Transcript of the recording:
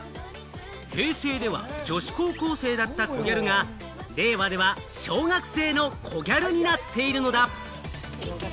平成では女子高校生だったコギャルが、令和では小学生のコギャルになっているのだ。